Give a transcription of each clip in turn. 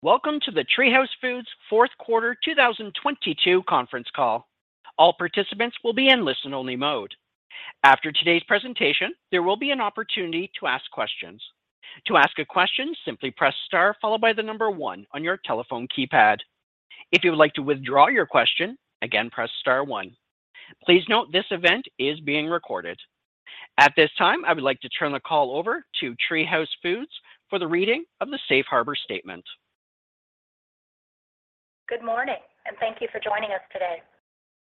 Welcome to the TreeHouse Foods fourth quarter 2022 conference call. All participants will be in listen only mode. After today's presentation, there will be an opportunity to ask questions. To ask a question, simply press star followed by one on your telephone keypad. If you would like to withdraw your question, again, press star one. Please note this event is being recorded. At this time, I would like to turn the call over to TreeHouse Foods for the reading of the safe harbor statement. Good morning, thank you for joining us today.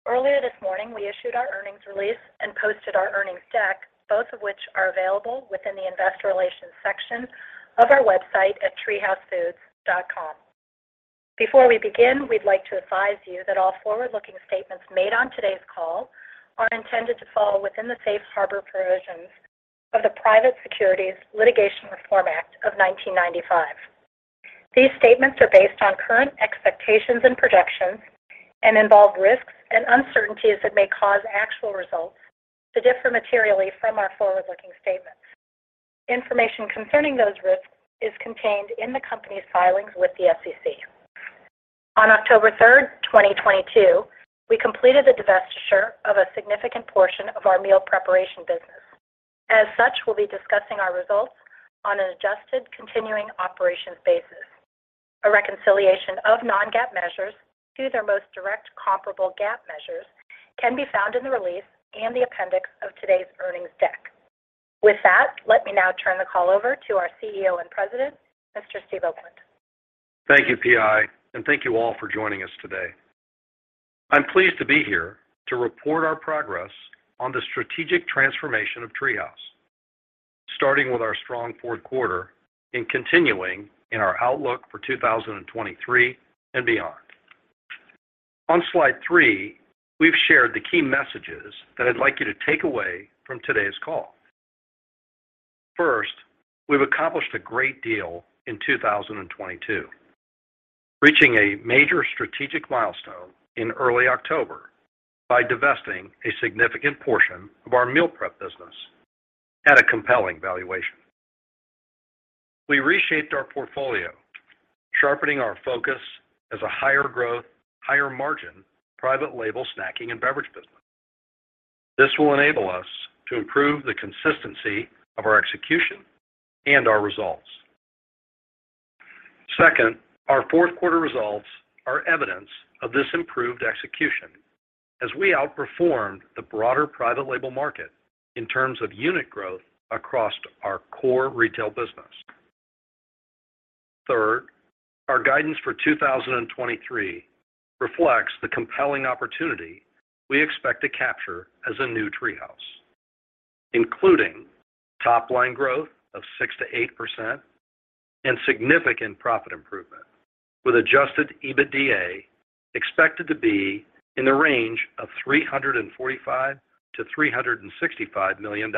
Earlier this morning, we issued our earnings release and posted our earnings deck, both of which are available within the investor relations section of our website at treehousefoods.com. Before we begin, we'd like to advise you that all forward-looking statements made on today's call are intended to fall within the safe harbor provisions of the Private Securities Litigation Reform Act of 1995. These statements are based on current expectations and projections and involve risks and uncertainties that may cause actual results to differ materially from our forward-looking statements. Information concerning those risks is contained in the company's filings with the SEC. On October 3, 2022, we completed the divestiture of a significant portion of our Meal Preparation business. As such, we'll be discussing our results on an adjusted continuing operations basis. A reconciliation of non-GAAP measures to their most direct comparable GAAP measures can be found in the release and the appendix of today's earnings deck. With that, let me now turn the call over to our CEO and President, Mr. Steve Oakland. Thank you, PI, and thank you all for joining us today. I'm pleased to be here to report our progress on the strategic transformation of TreeHouse, starting with our strong fourth quarter and continuing in our outlook for 2023 and beyond. On slide three, we've shared the key messages that I'd like you to take away from today's call. First, we've accomplished a great deal in 2022, reaching a major strategic milestone in early October by divesting a significant portion of our Meal Preparation business at a compelling valuation. We reshaped our portfolio, sharpening our focus as a higher growth, higher margin private label snacking and beverage business. This will enable us to improve the consistency of our execution and our results. Second, our fourth quarter results are evidence of this improved execution as we outperformed the broader private label market in terms of unit growth across our core retail business. Third, our guidance for 2023 reflects the compelling opportunity we expect to capture as a new TreeHouse, including top line growth of 6%-8% and significant profit improvement, with adjusted EBITDA expected to be in the range of $345 million-$365 million.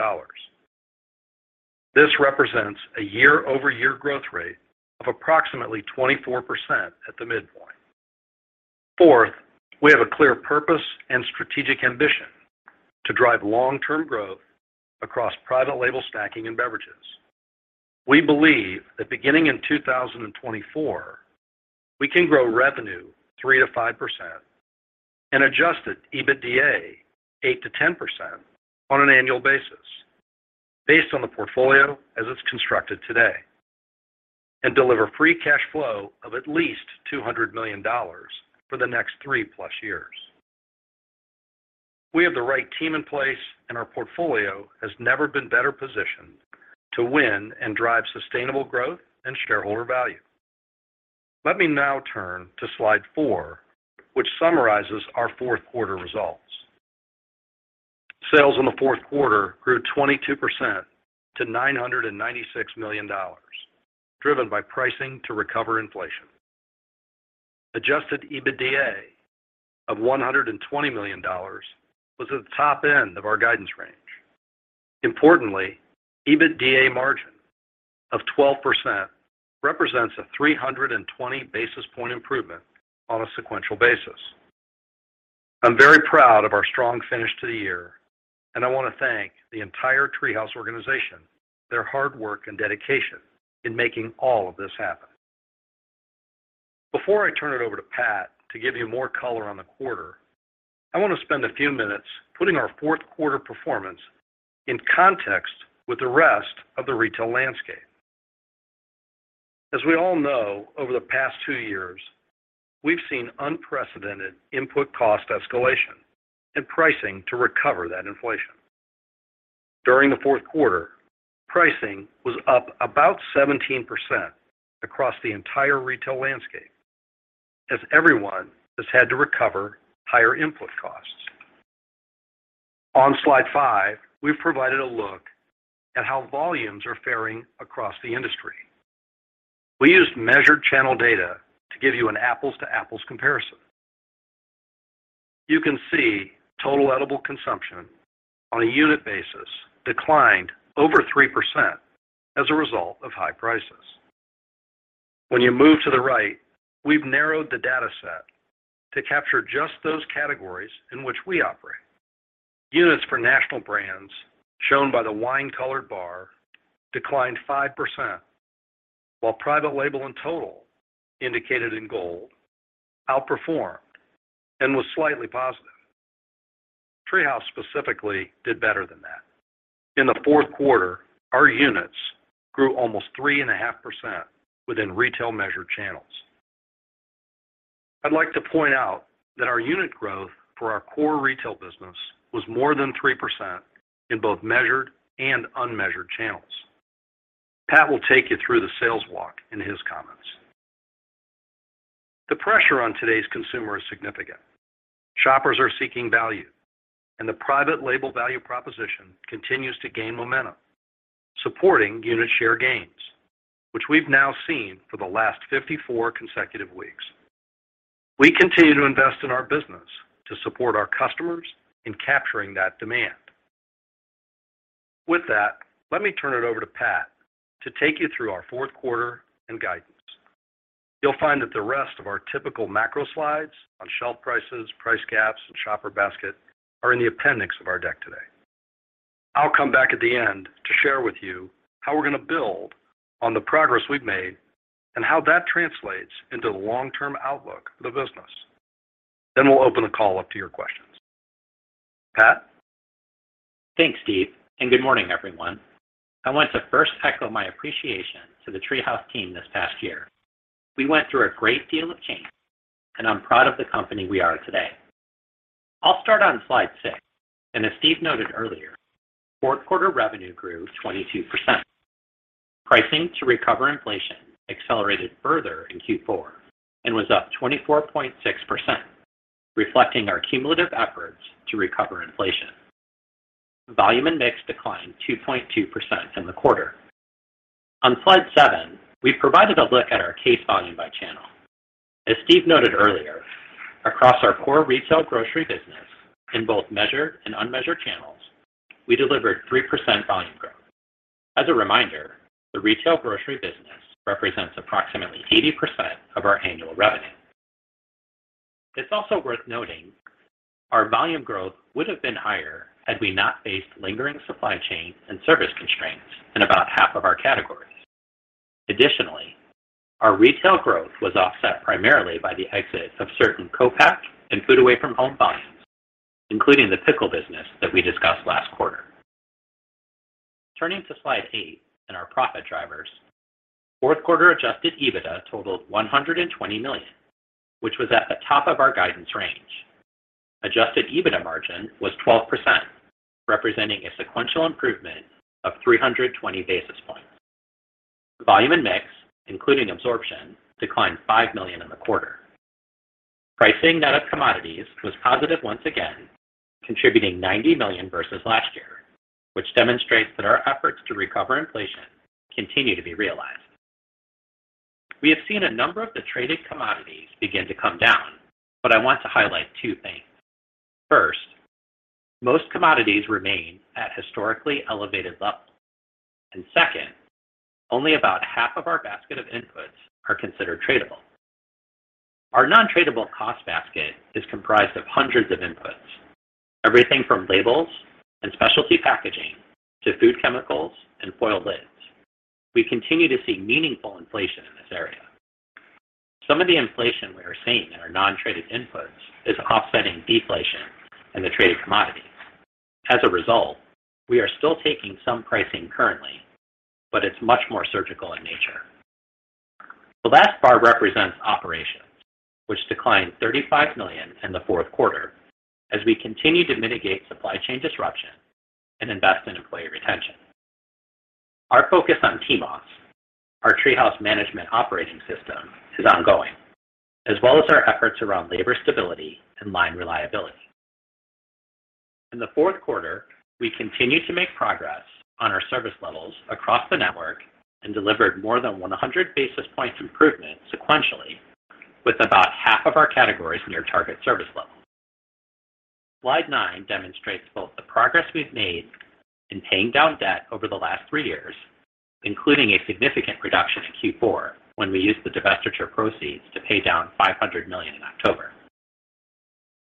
This represents a year-over-year growth rate of approximately 24% at the midpoint. Fourth, we have a clear purpose and strategic ambition to drive long-term growth across private label snacking and beverages. We believe that beginning in 2024, we can grow revenue 3%-5% and adjusted EBITDA 8%-10% on an annual basis based on the portfolio as it's constructed today and deliver free cash flow of at least $200 million for the next three-plus years. We have the right team in place, and our portfolio has never been better positioned to win and drive sustainable growth and shareholder value. Let me now turn to slide four, which summarizes our fourth quarter results. Sales in the fourth quarter grew 22% to $996 million, driven by pricing to recover inflation. Adjusted EBITDA of $120 million was at the top end of our guidance range. Importantly, EBITDA margin of 12% represents a 320 basis point improvement on a sequential basis. I'm very proud of our strong finish to the year, and I wanna thank the entire TreeHouse organization, their hard work and dedication in making all of this happen. Before I turn it over to Pat to give you more color on the quarter, I wanna spend a few minutes putting our fourth quarter performance in context with the rest of the retail landscape. As we all know, over the past two years, we've seen unprecedented input cost escalation and pricing to recover that inflation. During the fourth quarter, pricing was up about 17% across the entire retail landscape as everyone has had to recover higher input costs. On slide five, we've provided a look at how volumes are faring across the industry. We used measured channel data to give you an apples to apples comparison. You can see total edible consumption on a unit basis declined over 3% as a result of high prices. When you move to the right, we've narrowed the dataset to capture just those categories in which we operate. Units for national brands shown by the wine colored bar declined 5%, while private label in total indicated in gold outperformed and was slightly positive. TreeHouse specifically did better than that. In the fourth quarter, our units grew almost 3.5% within retail measured channels. I'd like to point out that our unit growth for our core retail business was more than 3% in both measured and unmeasured channels. Pat will take you through the sales walk in his comments. The pressure on today's consumer is significant. Shoppers are seeking value, the private label value proposition continues to gain momentum, supporting unit share gains, which we've now seen for the last 54 consecutive weeks. We continue to invest in our business to support our customers in capturing that demand. With that, let me turn it over to Pat to take you through our fourth quarter and guidance. You'll find that the rest of our typical macro slides on shelf prices, price gaps, and shopper basket are in the appendix of our deck today. I'll come back at the end to share with you how we're gonna build on the progress we've made and how that translates into the long term outlook of the business. We'll open the call up to your questions. Pat. Thanks, Steve. Good morning, everyone. I want to first echo my appreciation to the TreeHouse team this past year. We went through a great deal of change. I'm proud of the company we are today. I'll start on slide six. As Steve noted earlier, fourth quarter revenue grew 22%. Pricing to recover inflation accelerated further in Q4. Was up 24.6%, reflecting our cumulative efforts to recover inflation. Volume and mix declined 2.2% in the quarter. On slide 7, we provided a look at our case volume by channel. As Steve noted earlier, across our core retail grocery business, in both measured and unmeasured channels, we delivered 3% volume growth. As a reminder, the retail grocery business represents approximately 80% of our annual revenue. It's also worth noting our volume growth would have been higher had we not faced lingering supply chain and service constraints in about half of our categories. Additionally, our retail growth was offset primarily by the exit of certain co-pack and food away from home volumes, including the pickle business that we discussed last quarter. Turning to slide eight and our profit drivers, fourth quarter adjusted EBITDA totaled $120 million, which was at the top of our guidance range. Adjusted EBITDA margin was 12%, representing a sequential improvement of 320 basis points. Volume and mix, including absorption, declined $5 million in the quarter. Pricing net of commodities was positive once again, contributing $90 million versus last year, which demonstrates that our efforts to recover inflation continue to be realized. We have seen a number of the traded commodities begin to come down, but I want to highlight two things. First, most commodities remain at historically elevated levels. Second, only about half of our basket of inputs are considered tradable. Our non-tradable cost basket is comprised of hundreds of inputs, everything from labels and specialty packaging to food chemicals and foil lids. We continue to see meaningful inflation in this area. Some of the inflation we are seeing in our non-traded inputs is offsetting deflation in the traded commodities. As a result, we are still taking some pricing currently, but it's much more surgical in nature. The last bar represents operations, which declined $35 million in the fourth quarter as we continue to mitigate supply chain disruption and invest in employee retention. Our focus on TMOS, our TreeHouse Management Operating System, is ongoing, as well as our efforts around labor stability and line reliability. In the fourth quarter, we continued to make progress on our service levels across the network and delivered more than 100 basis points improvement sequentially with about half of our categories near target service levels. Slide nine demonstrates both the progress we've made in paying down debt over the last three years, including a significant reduction in Q4 when we used the divestiture proceeds to pay down $500 million in October.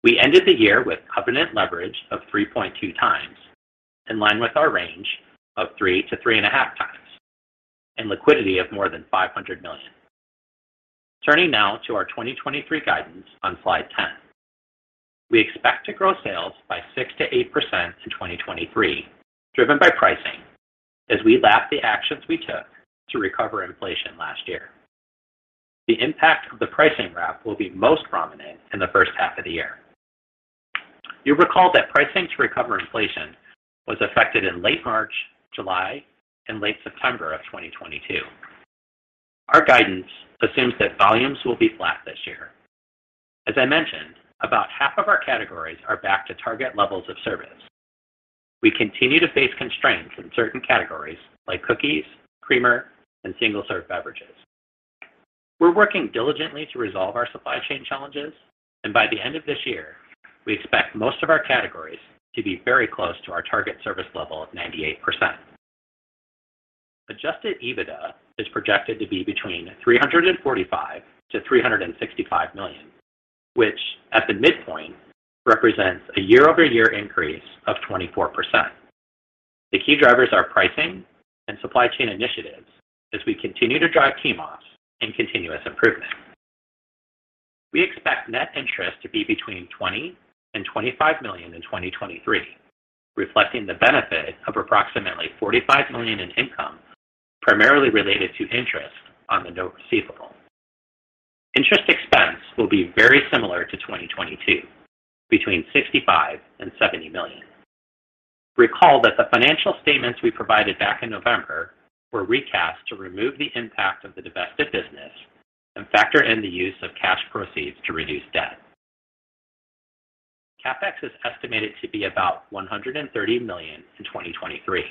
We ended the year with covenant leverage of 3.2 times, in line with our range of three to 3.5 times, and liquidity of more than $500 million. Turning now to our 2023 guidance on Slide 10. We expect to grow sales by 6%-8% in 2023, driven by pricing as we lap the actions we took to recover inflation last year. The impact of the pricing wrap will be most prominent in the first half of the year. You'll recall that pricing to recover inflation was affected in late March, July, and late September of 2022. Our guidance assumes that volumes will be flat this year. As I mentioned, about half of our categories are back to target levels of service. We continue to face constraints in certain categories like cookies, creamer, and single-serve beverages. We're working diligently to resolve our supply chain challenges. By the end of this year, we expect most of our categories to be very close to our target service level of 98%. Adjusted EBITDA is projected to be between $345 million-$365 million, which at the midpoint represents a year-over-year increase of 24%. The key drivers are pricing and supply chain initiatives as we continue to drive TMOS and continuous improvement. We expect net interest to be between $20 million-$25 million in 2023, reflecting the benefit of approximately $45 million in income, primarily related to interest on the note receivable. Interest expense will be very similar to 2022, between $65 million-$70 million. Recall that the financial statements we provided back in November were recast to remove the impact of the divested business and factor in the use of cash proceeds to reduce debt. CapEx is estimated to be about $130 million in 2023.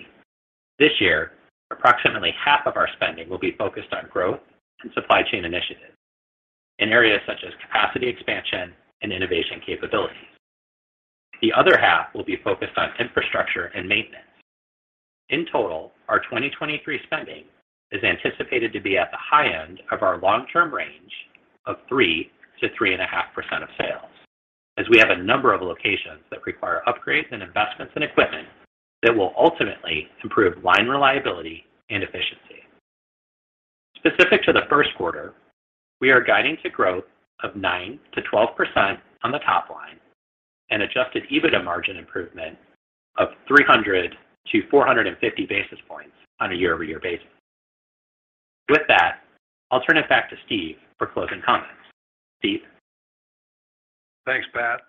This year, approximately half of our spending will be focused on growth and supply chain initiatives in areas such as capacity expansion and innovation capabilities. The other half will be focused on infrastructure and maintenance. In total, our 2023 spending is anticipated to be at the high end of our long-term range of 3%-3.5% of sales, as we have a number of locations that require upgrades and investments in equipment that will ultimately improve line reliability and efficiency. Specific to the first quarter, we are guiding to growth of 9%-12% on the top line and adjusted EBITDA margin improvement of 300-450 basis points on a year-over-year basis. With that, I'll turn it back to Steve for closing comments. Steve? Thanks, Pat.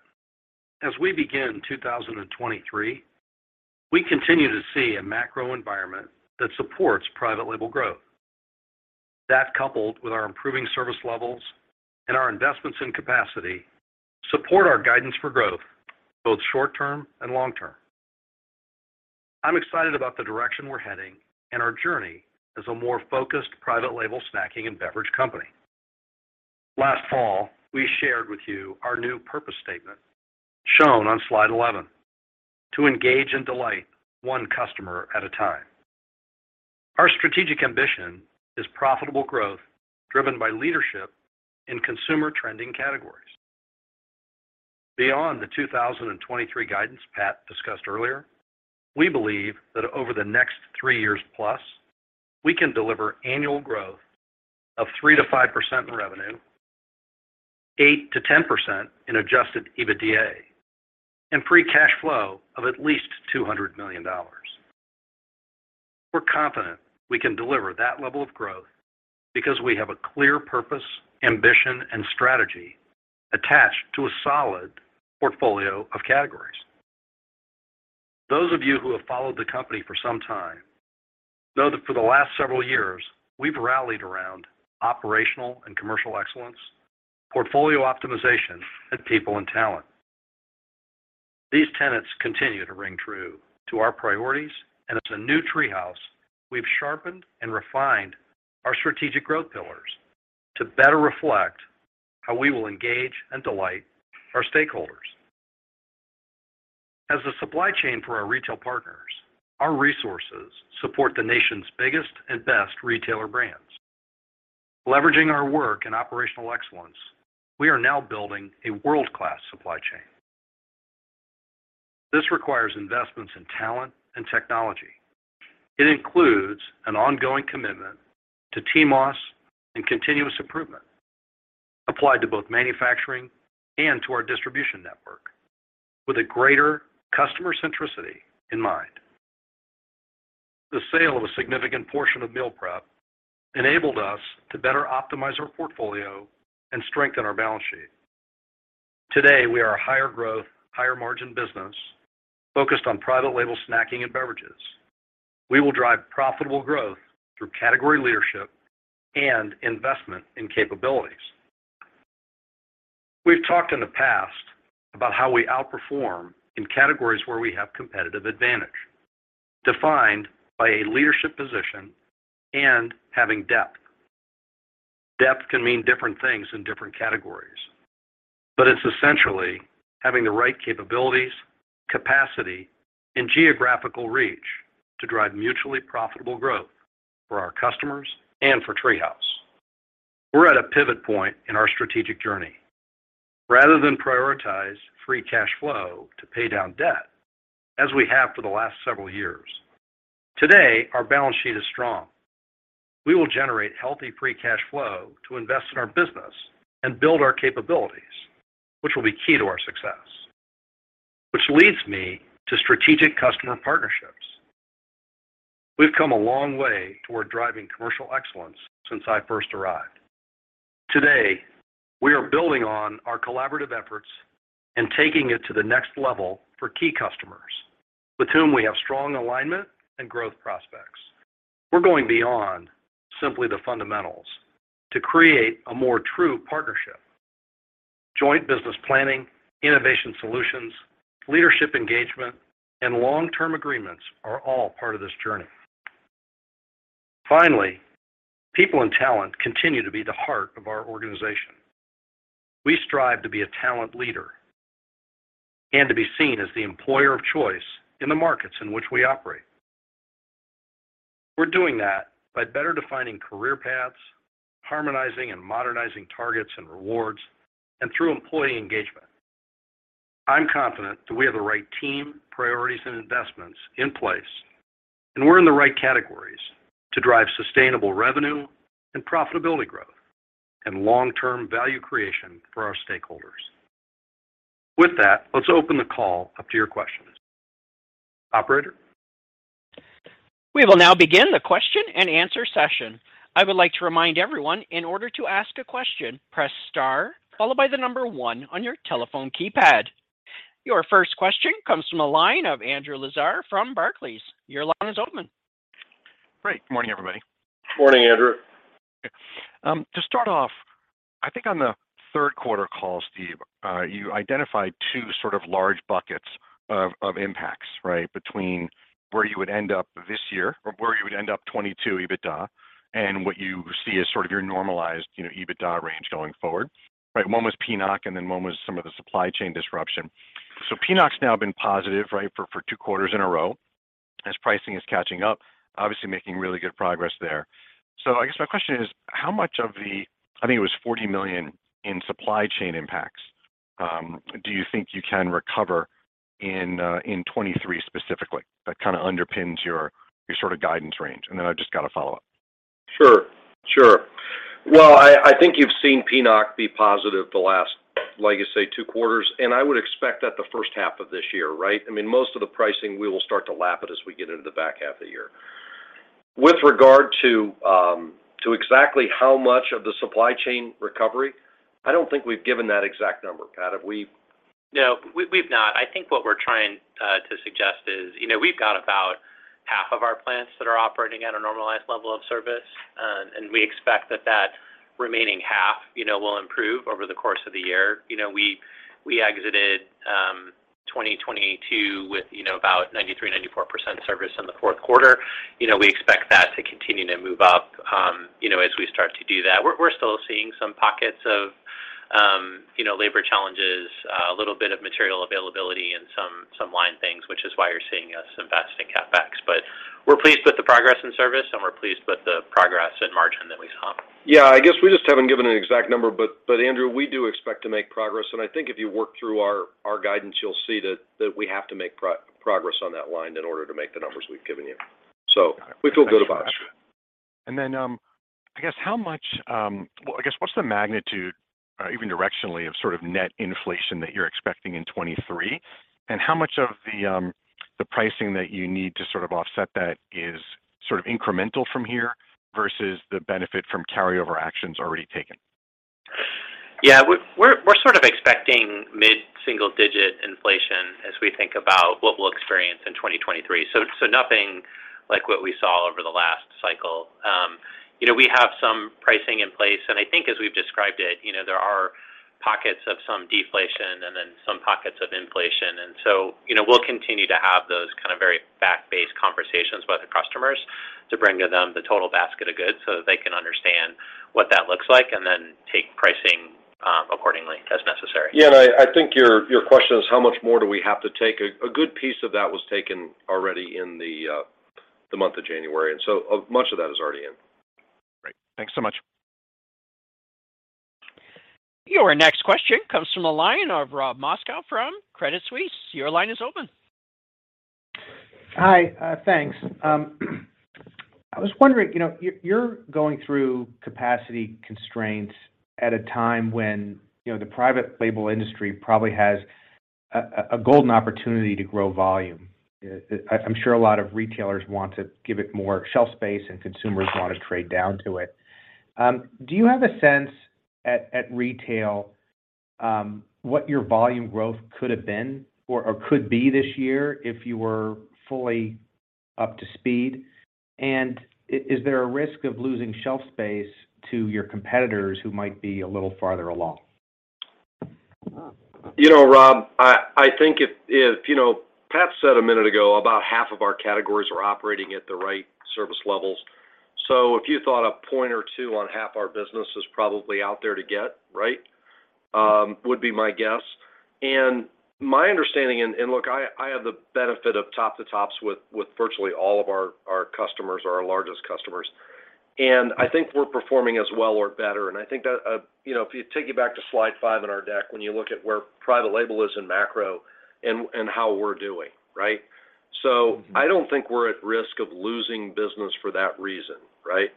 As we begin 2023, we continue to see a macro environment that supports private label growth. That, coupled with our improving service levels and our investments in capacity, support our guidance for growth, both short-term and long-term. I'm excited about the direction we're heading and our journey as a more focused private label snacking and beverage company. Last fall, we shared with you our new purpose statement, shown on slide 11, "To engage and delight one customer at a time." Our strategic ambition is profitable growth driven by leadership in consumer trending categories. Beyond the 2023 guidance Pat discussed earlier, we believe that over the next 3 years+, we can deliver annual growth of 3%-5% in revenue, 8%-10% in adjusted EBITDA, and free cash flow of at least $200 million. We're confident we can deliver that level of growth because we have a clear purpose, ambition, and strategy attached to a solid portfolio of categories. Those of you who have followed the company for some time know that for the last several years we've rallied around operational and commercial excellence, portfolio optimization, and people and talent. These tenets continue to ring true to our priorities, as a new TreeHouse, we've sharpened and refined our strategic growth pillars to better reflect how we will engage and delight our stakeholders. As a supply chain for our retail partners, our resources support the nation's biggest and best retailer brands. Leveraging our work in operational excellence, we are now building a world-class supply chain. This requires investments in talent and technology. It includes an ongoing commitment to TMOS and continuous improvement applied to both manufacturing and to our distribution network with a greater customer centricity in mind. The sale of a significant portion of Meal Preparation enabled us to better optimize our portfolio and strengthen our balance sheet. Today, we are a higher growth, higher margin business focused on private label snacking and beverages. We will drive profitable growth through category leadership and investment in capabilities. We've talked in the past about how we outperform in categories where we have competitive advantage defined by a leadership position and having depth. Depth can mean different things in different categories, but it's essentially having the right capabilities, capacity, and geographical reach to drive mutually profitable growth for our customers and for TreeHouse. We're at a pivot point in our strategic journey. Rather than prioritize free cash flow to pay down debt, as we have for the last several years, today our balance sheet is strong. We will generate healthy free cash flow to invest in our business and build our capabilities, which will be key to our success. Which leads me to strategic customer partnerships. We've come a long way toward driving commercial excellence since I first arrived. Today, we are building on our collaborative efforts and taking it to the next level for key customers with whom we have strong alignment and growth prospects. We're going beyond simply the fundamentals to create a more true partnership. Joint business planning, innovation solutions, leadership engagement, and long-term agreements are all part of this journey. Finally, people and talent continue to be the heart of our organization. We strive to be a talent leader To be seen as the employer of choice in the markets in which we operate. We're doing that by better defining career paths, harmonizing and modernizing targets and rewards, and through employee engagement. I'm confident that we have the right team, priorities, and investments in place, and we're in the right categories to drive sustainable revenue and profitability growth and long-term value creation for our stakeholders. With that, let's open the call up to your questions. Operator? We will now begin the question-and-answer session. I would like to remind everyone, in order to ask a question, press star followed by the number one on your telephone keypad. Your first question comes from the line of Andrew Lazar from Barclays, your line is open. Great. Morning, everybody. Morning, Andrew. Okay. To start off, I think on the third quarter call, Steve, you identified two sort of large buckets of impacts, right? Between where you would end up this year or where you would end up 2022 EBITDA and what you see as sort of your normalized, you know, EBITDA range going forward, right? One was PNOC, and then one was some of the supply chain disruption. PNOC's now been positive, right, for two quarters in a row as pricing is catching up, obviously making really good progress there. I guess my question is, how much of the, I think it was $40 million in supply chain impacts, do you think you can recover in 2023 specifically that kind of underpins your sort of guidance range? I've just got a follow-up. Sure. Sure. Well, I think you've seen PNOC be positive the last, like you say, two quarters, I would expect that the first half of this year, right? I mean, most of the pricing, we will start to lap it as we get into the back half of the year. With regard to exactly how much of the supply chain recovery, I don't think we've given that exact number. Pat, have we? No, we've not. I think what we're trying to suggest is, you know, we've got about half of our plants that are operating at a normalized level of service. We expect that that remaining half, you know, will improve over the course of the year. You know, we exited 2022 with, you know, about 93%-94% service in the fourth quarter. You know, we expect that to continue to move up, you know, as we start to do that. We're still seeing some pockets of, you know, labor challenges, a little bit of material availability and some line things, which is why you're seeing us invest in CapEx. We're pleased with the progress in service, and we're pleased with the progress in margin that we saw. Yeah. I guess we just haven't given an exact number, but Andrew, we do expect to make progress, and I think if you work through our guidance, you'll see that we have to make progress on that line in order to make the numbers we've given you. We feel good about it. Well, I guess what's the magnitude, even directionally of sort of net inflation that you're expecting in 2023, and how much of the pricing that you need to sort of offset that is sort of incremental from here versus the benefit from carryover actions already taken? Yeah. We're sort of expecting mid-single digit inflation as we think about what we'll experience in 2023, so nothing like what we saw over the last cycle. you know, we have some pricing in place, and I think as we've described it, you know, there are pockets of some deflation and then some pockets of inflation. you know, we'll continue to have those kind of very fact-based conversations with the customers to bring to them the total basket of goods so that they can understand what that looks like and then take pricing accordingly as necessary. Yeah. I think your question is how much more do we have to take? A good piece of that was taken already in the month of January, much of that is already in. Great. Thanks so much. Your next question comes from the line of Rob Moskow from Credit Suisse, your line is open. Hi. Thanks. I was wondering, you know, you're going through capacity constraints at a time when, you know, the private label industry probably has a golden opportunity to grow volume. I'm sure a lot of retailers want to give it more shelf space and consumers want to trade down to it. Do you have a sense at retail, what your volume growth could have been or could be this year if you were fully up to speed? Is there a risk of losing shelf space to your competitors who might be a little farther along? You know, Rob, I think if, you know, Pat said a minute ago, about half of our categories are operating at the right service levels. If you thought a point or two on half our business is probably out there to get, right, would be my guess. My understanding and look, I have the benefit of top to tops with virtually all of our customers or our largest customers, I think we're performing as well or better. I think that, you know, if you take it back to slide five in our deck, when you look at where private label is in macro and how we're doing, right? I don't think we're at risk of losing business for that reason, right?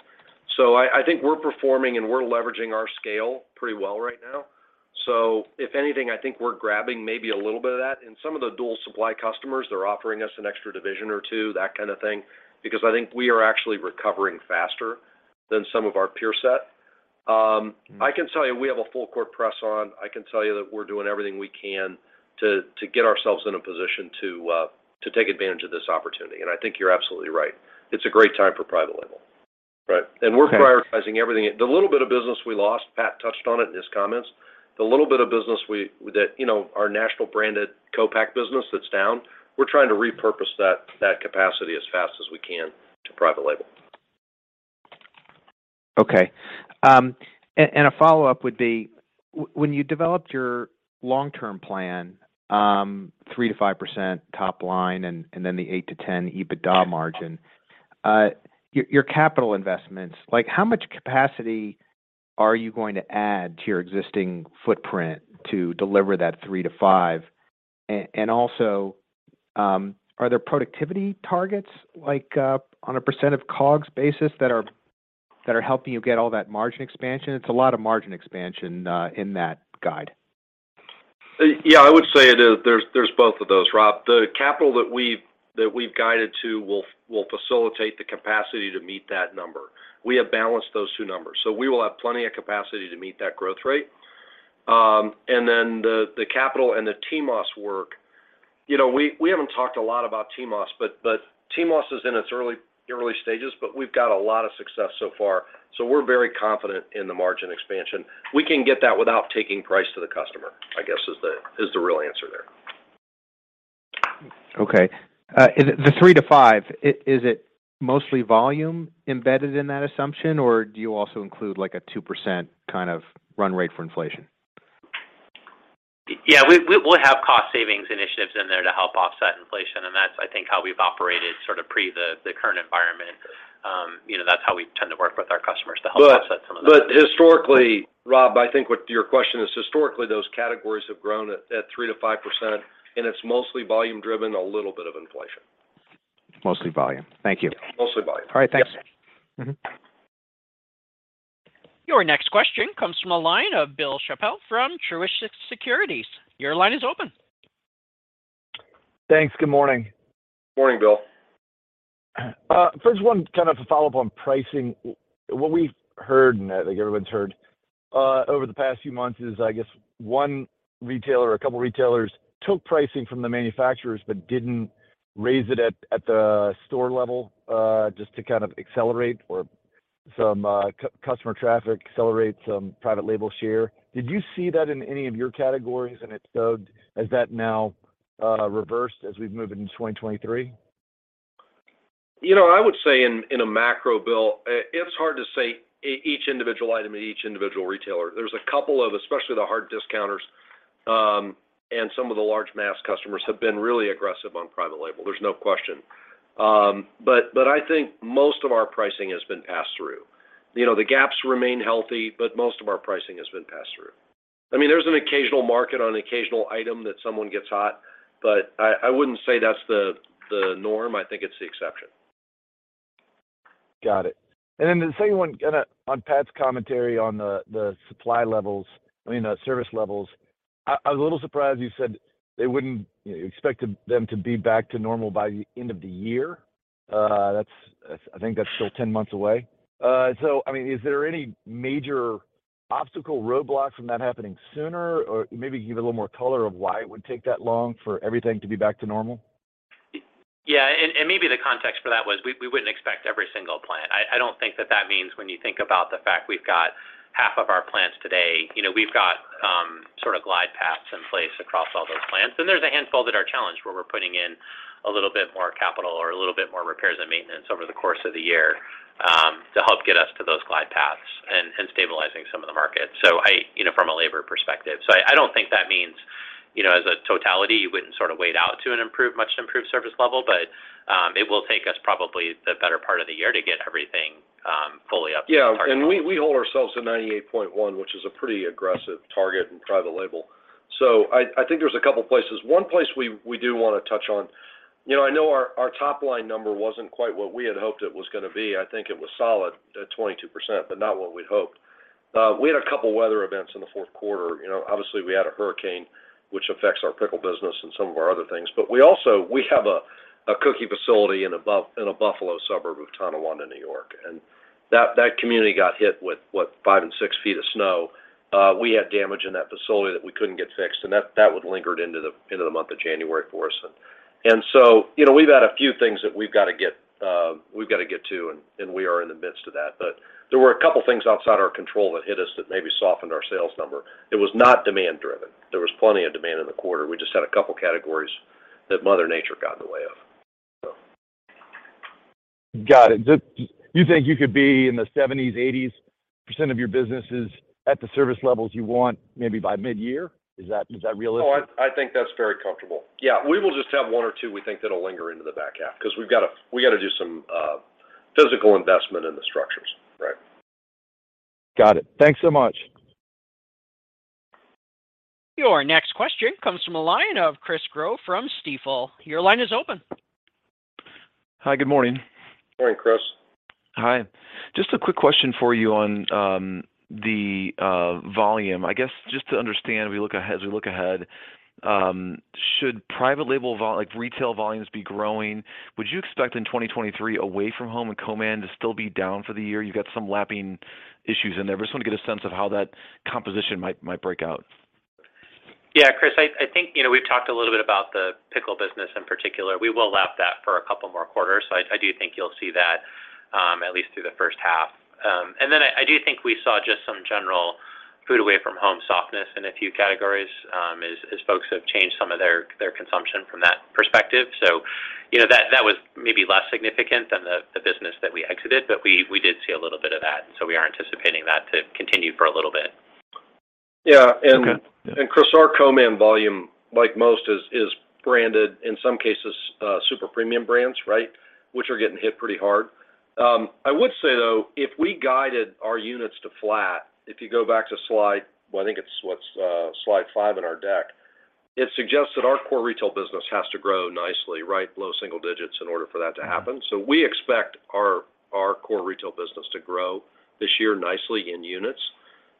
I think we're performing and we're leveraging our scale pretty well right now. If anything, I think we're grabbing maybe a little bit of that in some of the dual supply customers that are offering us an extra division or two, that kind of thing, because I think we are actually recovering faster than some of our peer set. I can tell you we have a full court press on. I can tell you that we're doing everything we can to get ourselves in a position to take advantage of this opportunity, and I think you're absolutely right. It's a great time for private label, right? Okay. We're prioritizing everything. The little bit of business we lost, Pat touched on it in his comments. The little bit of business that, you know, our national branded co-pack business that's down, we're trying to repurpose that capacity as fast as we can to private label. Okay. A follow-up would be when you developed your long-term plan, 3%-5% top line and then the 8%-10% EBITDA margin, your capital investments, like how much capacity are you going to add to your existing footprint to deliver that 3%-5%? And also, are there productivity targets like on a % of COGS basis that are helping you get all that margin expansion? It's a lot of margin expansion in that guide. Yeah, I would say there's both of those, Rob. The capital that we've guided to will facilitate the capacity to meet that number. We have balanced those two numbers, so we will have plenty of capacity to meet that growth rate. The capital and the TMOS work, you know, we haven't talked a lot about TMOS, but TMOS is in its early stages, but we've got a lot of success so far, so we're very confident in the margin expansion. We can get that without taking price to the customer, I guess, is the real answer there. Okay. Is it the three to five, is it mostly volume embedded in that assumption, or do you also include like a 2% kind of run rate for inflation? Yeah. We'll have cost savings initiatives in there to help offset inflation, and that's, I think, how we've operated sort of pre the current environment. You know, that's how we tend to work with our customers to help offset some of that. Historically, Rob, I think what your question is, historically, those categories have grown at 3%-5%, and it's mostly volume driven, a little bit of inflation. Mostly volume. Thank you. Mostly volume. All right. Thanks. Mm-hmm. Your next question comes from the line of Bill Chappell from Truist Securities, your line is open. Thanks. Good morning. Morning, Bill. First one kind of a follow-up on pricing. What we've heard, and I think everyone's heard, over the past few months is, I guess, one retailer, a couple retailers took pricing from the manufacturers but didn't raise it at the store level, just to kind of accelerate or some customer traffic, accelerate some private label share. Did you see that in any of your categories? If so, is that now reversed as we've moved into 2023? You know, I would say in a macro, Bill, it's hard to say each individual item at each individual retailer. There's a couple of, especially the hard discounters, and some of the large mass customers have been really aggressive on private label. There's no question. I think most of our pricing has been passed through. You know, the gaps remain healthy, but most of our pricing has been passed through. I mean, there's an occasional market on occasional item that someone gets hot, but I wouldn't say that's the norm. I think it's the exception. Got it. The second one, kind of on Pat's commentary on the supply levels, I mean, the service levels. I was a little surprised you said they wouldn't expect them to be back to normal by the end of the year. I think that's still 10 months away. I mean, is there any major obstacle, roadblock from that happening sooner? Maybe give a little more color of why it would take that long for everything to be back to normal. Yeah. Maybe the context for that was we wouldn't expect every single plant. I don't think that that means when you think about the fact we've got half of our plants today, you know, we've got sort of glide paths in place across all those plants. There's a handful that are challenged, where we're putting in a little bit more capital or a little bit more repairs and maintenance over the course of the year to help get us to those glide paths and stabilizing some of the markets, so you know, from a labor perspective. I don't think that means, you know, as a totality, you wouldn't sort of wait out to an improved, much improved service level. It will take us probably the better part of the year to get everything fully up to par. Yeah. We, we hold ourselves to 98.1, which is a pretty aggressive target in private label. I think there's a couple places. One place we do wanna touch on, you know, I know our top line number wasn't quite what we had hoped it was gonna be. I think it was solid at 22%, but not what we'd hoped. We had a couple weather events in the fourth quarter. You know, obviously, we had a hurricane, which affects our pickle business and some of our other things. We have a cookie facility in a Buffalo suburb of Tonawanda, New York. That, that community got hit with, what, five and six feet of snow. We had damage in that facility that we couldn't get fixed, and that one lingered into the month of January for us. You know, we've had a few things that we've gotta get, we've gotta get to, and we are in the midst of that. There were a couple things outside our control that hit us that maybe softened our sales number. It was not demand driven. There was plenty of demand in the quarter. We just had a couple categories that Mother Nature got in the way of. Got it. Do you think you could be in the 70s, 80s% of your businesses at the service levels you want maybe by midyear? Is that realistic? I think that's very comfortable. We will just have one or two we think that'll linger into the back half 'cause we've gotta do some physical investment in the structures. Right. Got it. Thanks so much. Your next question comes from a line of Chris Growe from Stifel, your line is open. Hi, good morning. Morning, Chris. Hi. Just a quick question for you on the volume. I guess just to understand as we look ahead, should private label retail volumes be growing? Would you expect in 2023 away from home and co-man to still be down for the year? You've got some lapping issues in there. I just want to get a sense of how that composition might break out. Yeah, Chris, I think, you know, we've talked a little bit about the pickle business in particular. We will lap that for a couple more quarters. I do think you'll see that, at least through the first half. I do think we saw just some general food away from home softness in a few categories, as folks have changed some of their consumption from that perspective. You know, that was maybe less significant than the business that we exited, but we did see a little bit of that, and so we are anticipating that to continue for a little bit. Yeah. Okay. Chris, our co-man volume, like most, is branded in some cases, super premium brands, right? Which are getting hit pretty hard. I would say, though, if we guided our units to flat, if you go back to slide five in our deck. It suggests that our core retail business has to grow nicely, right, low single digits in order for that to happen. We expect our core retail business to grow this year nicely in units,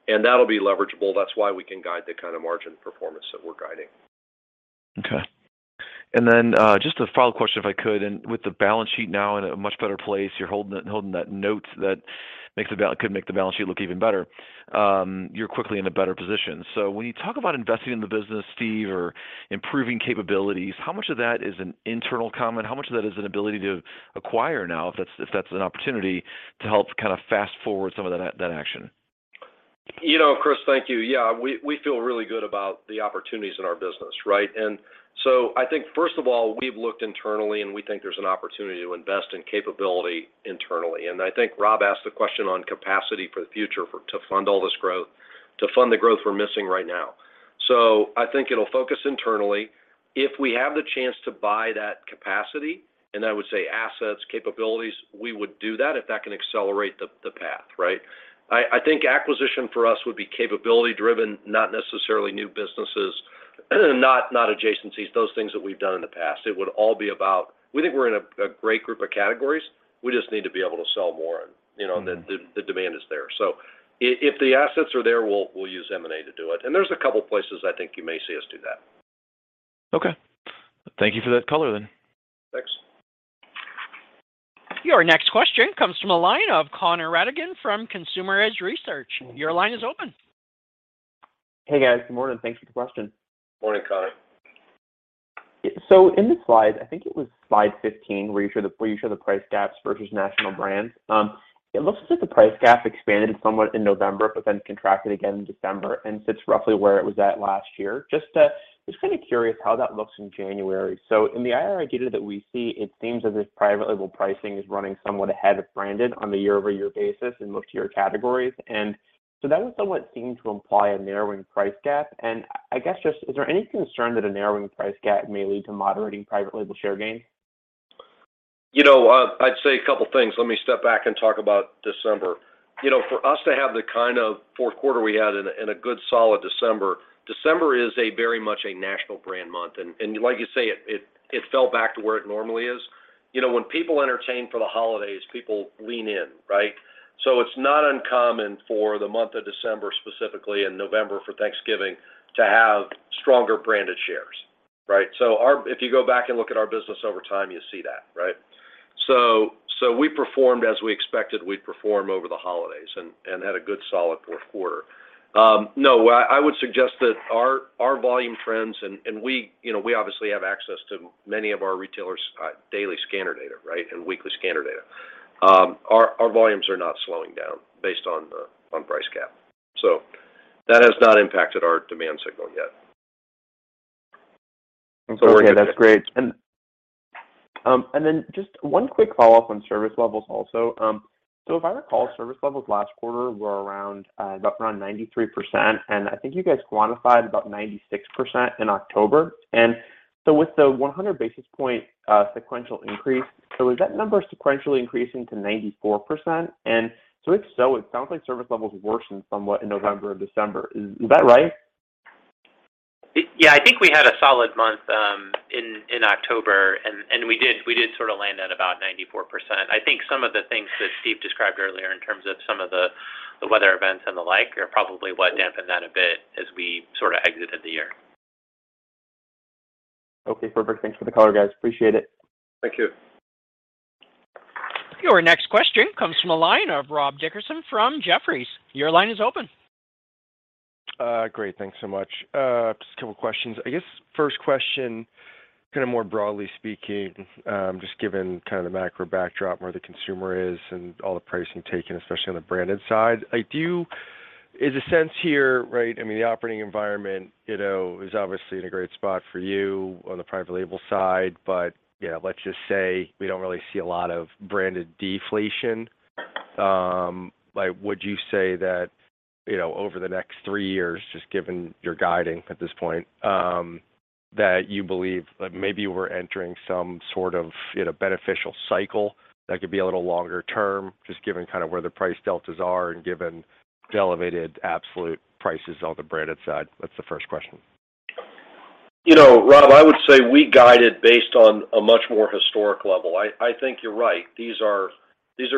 and that'll be leverageable. That's why we can guide the kind of margin performance that we're guiding. Okay. Just a final question, if I could. With the balance sheet now in a much better place, you're holding that note that could make the balance sheet look even better, you're quickly in a better position. When you talk about investing in the business, Steve, or improving capabilities, how much of that is an internal comment? How much of that is an ability to acquire now, if that's, if that's an opportunity, to help kind of fast-forward some of that action? You know, Chris, thank you. Yeah, we feel really good about the opportunities in our business, right? I think, first of all, we've looked internally, and we think there's an opportunity to invest in capability internally. I think Rob asked the question on capacity for the future to fund all this growth, to fund the growth we're missing right now. I think it'll focus internally. If we have the chance to buy that capacity, and I would say assets, capabilities, we would do that if that can accelerate the path, right? I think acquisition for us would be capability driven, not necessarily new businesses, not adjacencies, those things that we've done in the past. It would all be about. We think we're in a great group of categories. We just need to be able to sell more and, you know. Mm-hmm... the demand is there. If the assets are there, we'll use M&A to do it. There's a couple places I think you may see us do that. Okay. Thank you for that color then. Thanks. Your next question comes from the line of Connor Rattigan from Consumer Edge Research, your line is open. Hey, guys. Good morning. Thanks for the question. Morning, Connor. In the slides, I think it was slide 15 where you show the price gaps versus national brands. It looks as if the price gap expanded somewhat in November, contracted again in December and sits roughly where it was at last year. Just kinda curious how that looks in January. In the IRI data that we see, it seems as if private label pricing is running somewhat ahead of branded on the year-over-year basis in most of your categories. That would somewhat seem to imply a narrowing price gap. I guess just is there any concern that a narrowing price gap may lead to moderating private label share gains? You know, I'd say a couple things. Let me step back and talk about December. You know, for us to have the kind of fourth quarter we had and a good solid December is a very much a national brand month. Like you say, it fell back to where it normally is. You know, when people entertain for the holidays, people lean in, right? It's not uncommon for the month of December, specifically, and November for Thanksgiving, to have stronger branded shares, right? If you go back and look at our business over time, you see that, right? We performed as we expected we'd perform over the holidays and had a good solid fourth quarter. No, I would suggest that our volume trends and we, you know, we obviously have access to many of our retailers' daily scanner data, right, and weekly scanner data. Our volumes are not slowing down based on price gap. Okay. That's great. Just one quick follow-up on service levels also. If I recall, service levels last quarter were around about 93%, and I think you guys quantified about 96% in October. With the 100 basis point sequential increase, is that number sequentially increasing to 94%? If so, it sounds like service levels worsened somewhat in November or December. Is that right? Yeah. I think we had a solid month in October. We did sort of land at about 94%. I think some of the things that Steve described earlier in terms of some of the weather events and the like are probably what dampened that a bit as we sorta exited the year. Okay. Perfect. Thanks for the color, guys. Appreciate it. Thank you. Your next question comes from a line of Robert Dickerson from Jefferies, your line is open. Great. Thanks so much. Just a couple questions. I guess first question, kinda more broadly speaking, just given kinda the macro backdrop where the consumer is and all the pricing taken, especially on the branded side. Is the sense here, right, I mean, the operating environment, you know, is obviously in a great spot for you on the private label side, but, you know, let's just say we don't really see a lot of branded deflation. Like, would you say that, you know, over the next three years, just given your guiding at this point, that you believe, like, maybe we're entering some sort of, you know, beneficial cycle that could be a little longer-term, just given kinda where the price deltas are and given the elevated absolute prices on the branded side? That's the first question. You know, Rob, I would say we guided based on a much more historic level. I think you're right. These are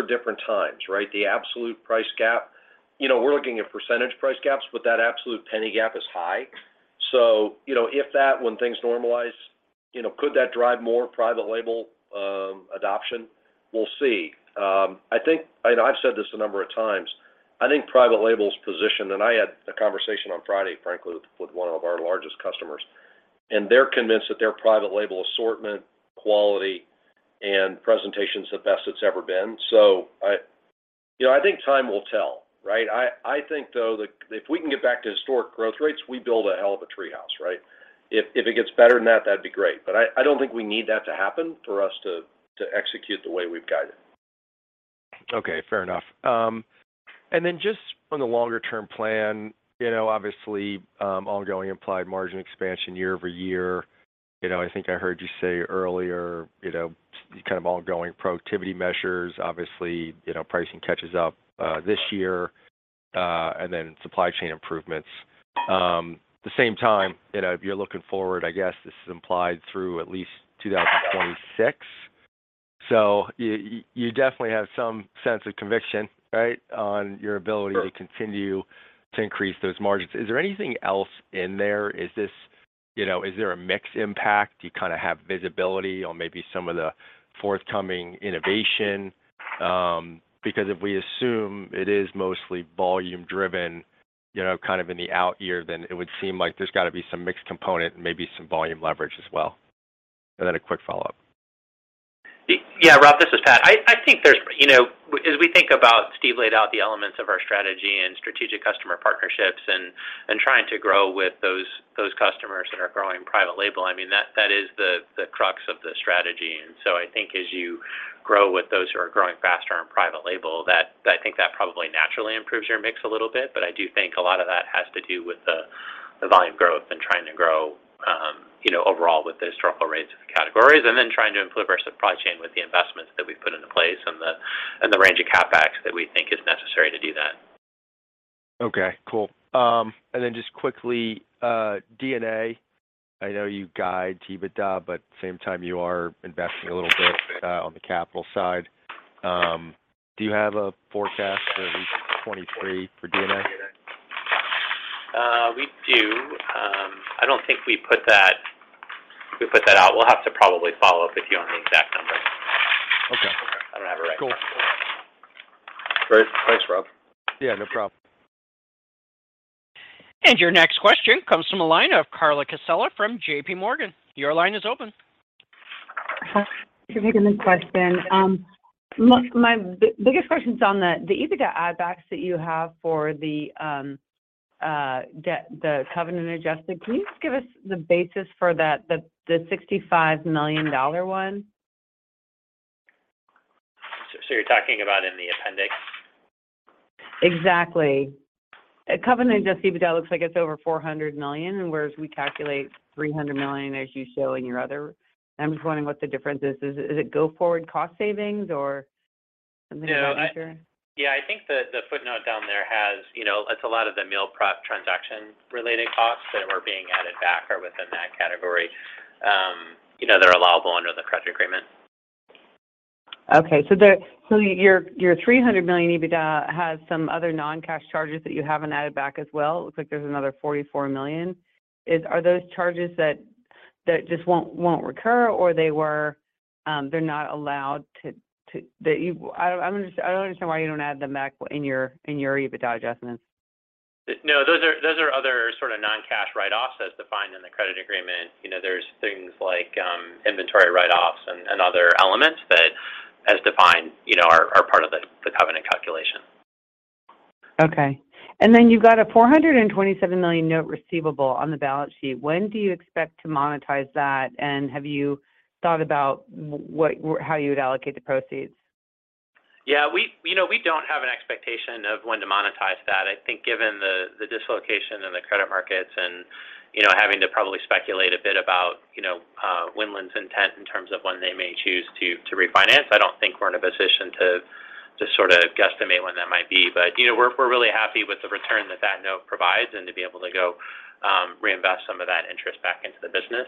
different times, right? The absolute price gap, you know, we're looking at % price gaps, but that absolute penny gap is high. When things normalize, you know, could that drive more private label adoption? We'll see. I think, and I've said this a number of times, I think private label's positioned. I had a conversation on Friday, frankly, with one of our largest customers, and they're convinced that their private label assortment, quality and presentation's the best it's ever been. You know, I think time will tell, right? I think though that if we can get back to historic growth rates, we build a hell of a TreeHouse, right? If it gets better than that'd be great. I don't think we need that to happen for us to execute the way we've guided. Okay, fair enough. Just on the longer term plan, you know, obviously, ongoing implied margin expansion year over year. You know, I think I heard you say earlier, you know, kind of ongoing productivity measures, obviously, you know, pricing catches up this year, supply chain improvements. The same time, you know, if you're looking forward, I guess this is implied through at least 2026. You definitely have some sense of conviction, right, on your ability to continue to increase those margins. Is there anything else in there? You know, is there a mix impact? Do you kinda have visibility on maybe some of the forthcoming innovation? If we assume it is mostly volume driven, you know, kind of in the out year, it would seem like there's gotta be some mixed component and maybe some volume leverage as well. A quick follow-up. Yeah, Rob, this is Pat. I think there's, you know, as we think about Steve laid out the elements of our strategy and strategic customer partnerships and trying to grow with those customers that are growing private label, I mean, that is the crux of the strategy. I think as you grow with those who are growing faster in private label, that I think that probably naturally improves your mix a little bit. I do think a lot of that has to do with the volume growth and trying to grow, you know, overall with the historical rates of categories and then trying to improve our supply chain with the investments that we've put into place and the range of CapEx that we think is necessary to do that. Okay, cool. Just quickly, D&A, I know you guide EBITDA, but same time you are investing a little bit, on the capital side. Do you have a forecast for at least 2023 for D&A? We do. I don't think we put that out. We'll have to probably follow up with you on the exact number. Okay. I don't have it right now. Cool. Great. Thanks, Rob. Yeah, no problem. Your next question comes from a line of Carla Casella from JPMorgan, your line is open. Thanks for taking the question. My biggest question is on the EBITDA add backs that you have for the debt, the covenant adjusted. Can you just give us the basis for that, the $65 million one? You're talking about in the appendix? Exactly. A covenant adjusted EBITDA looks like it's over $400 million, whereas we calculate $300 million as you show in your other... I'm just wondering what the difference is. Is it go forward cost savings or something about insurance? Yeah, I think the footnote down there has, you know, it's a lot of the Meal Preparation transaction related costs that were being added back or within that category. you know, they're allowable under the credit agreement. Okay. your $300 million EBITDA has some other non-cash charges that you haven't added back as well. It looks like there's another $44 million. Are those charges that just won't recur or they were, they're not allowed? I don't understand why you don't add them back in your, in your EBITDA adjustments? No, those are other sort of non-cash write-offs as defined in the credit agreement. You know, there's things like inventory write-offs and other elements that as defined, you know, are part of the covenant calculation. Okay. You've got a $427 million note receivable on the balance sheet. When do you expect to monetize that? Have you thought about how you would allocate the proceeds? Yeah, you know, we don't have an expectation of when to monetize that. I think given the dislocation in the credit markets and, you know, having to probably speculate a bit about, you know, Winland's intent in terms of when they may choose to refinance. I don't think we're in a position to sort of guesstimate when that might be. You know, we're really happy with the return that that note provides and to be able to go reinvest some of that interest back into the business.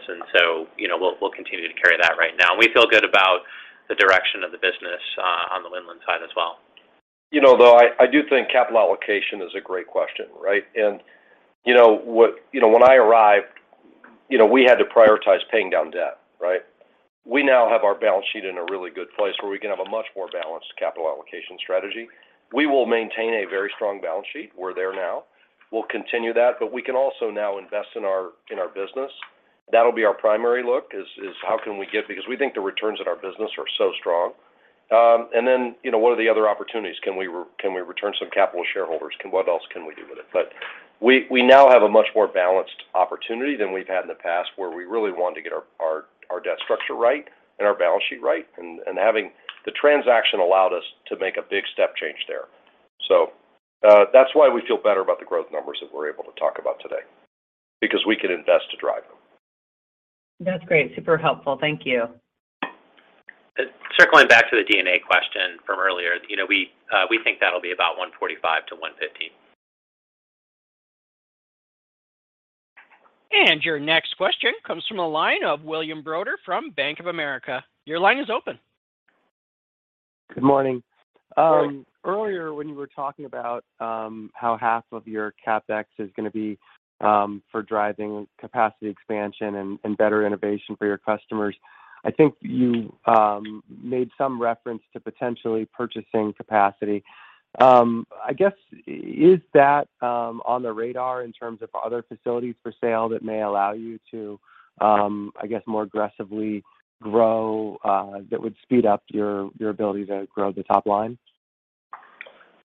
You know, we'll continue to carry that right now. We feel good about the direction of the business on the Winland side as well. You know, though, I do think capital allocation is a great question, right. You know, when I arrived, you know, we had to prioritize paying down debt, right. We now have our balance sheet in a really good place where we can have a much more balanced capital allocation strategy. We will maintain a very strong balance sheet. We're there now. We'll continue that, but we can also now invest in our, in our business. That'll be our primary look is how can we give. Because we think the returns in our business are so strong. Then, you know, what are the other opportunities? Can we return some capital to shareholders? What else can we do with it? We now have a much more balanced opportunity than we've had in the past where we really want to get our debt structure right and our balance sheet right. Having the transaction allowed us to make a big step change there. That's why we feel better about the growth numbers that we're able to talk about today because we can invest to drive them. That's great. Super helpful. Thank you. Circling back to the D&A question from earlier, you know, we think that'll be about $145 million-$115 million. Your next question comes from the line of William Reuter from Bank of America, your line is open. Good morning. Morning. Earlier when you were talking about how half of your CapEx is gonna be for driving capacity expansion and better innovation for your customers, I think you made some reference to potentially purchasing capacity. Is that on the radar in terms of other facilities for sale that may allow you to, I guess, more aggressively grow that would speed up your ability to grow the top line?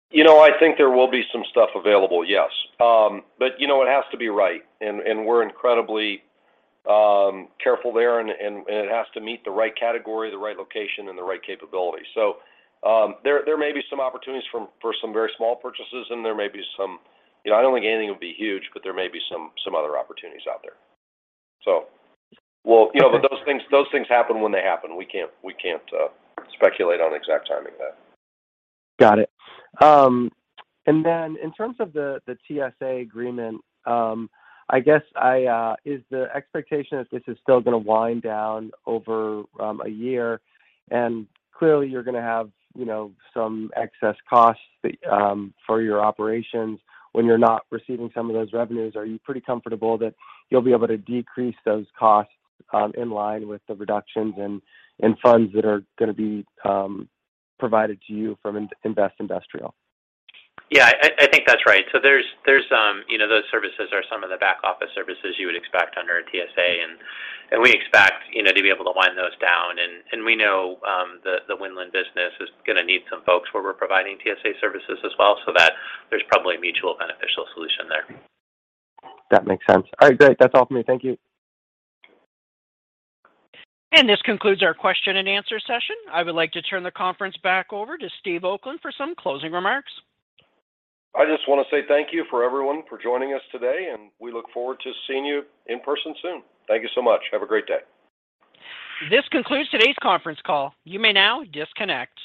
You know, I think there will be some stuff available, yes. You know, it has to be right, and we're incredibly careful there and it has to meet the right category, the right location, and the right capability. There may be some opportunities for some very small purchases, and there may be some. You know, I don't think anything will be huge, but there may be some other opportunities out there. Well, you know, those things happen when they happen. We can't speculate on exact timing there. Got it. Then in terms of the TSA agreement, I guess, is the expectation that this is still gonna wind down over a year? Clearly you're gonna have, you know, some excess costs for your operations when you're not receiving some of those revenues. Are you pretty comfortable that you'll be able to decrease those costs in line with the reductions and funds that are gonna be provided to you from Investindustrial? I think that's right. There's, you know, those services are some of the back office services you would expect under a TSA, and we expect, you know, to be able to wind those down. We know, the Winland business is gonna need some folks where we're providing TSA services as well, there's probably a mutual beneficial solution there. That makes sense. All right. Great. That's all for me. Thank you. This concludes our question and answer session. I would like to turn the conference back over to Steve Oakland for some closing remarks. I just wanna say thank you for everyone for joining us today. We look forward to seeing you in person soon. Thank you so much. Have a great day. This concludes today's conference call. You may now disconnect.